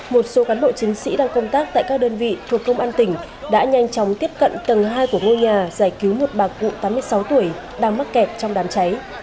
một số cán bộ chiến sĩ đang công tác tại các đơn vị thuộc công an tỉnh đã nhanh chóng tiếp cận tầng hai của ngôi nhà giải cứu một bà cụ tám mươi sáu tuổi đang mắc kẹt trong đám cháy